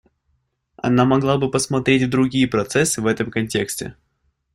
Она могла бы посмотреть и другие процессы в этом контексте.